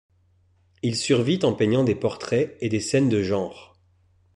Il survit en peignant des portraits et des scènes de genre.